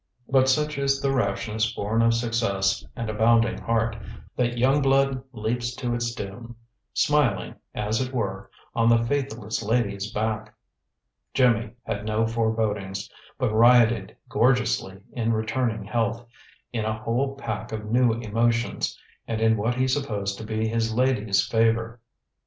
But such is the rashness born of success and a bounding heart, that young blood leaps to its doom, smiling, as it were, on the faithless lady's back. Jimmy had no forebodings, but rioted gorgeously in returning health, in a whole pack of new emotions, and in what he supposed to be his lady's favor.